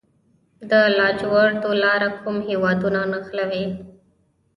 د لاجوردو لاره کوم هیوادونه نښلوي؟